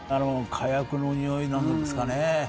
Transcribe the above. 火薬のにおいですかね。